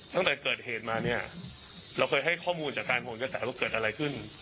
ตั้งแต่เกิดเหตุมาเนี่ยเราเคยให้ข้อมูลจากการผลกระแสว่าเกิดอะไรขึ้น